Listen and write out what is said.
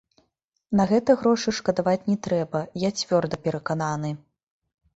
На гэта грошай шкадаваць не трэба, я цвёрда перакананы.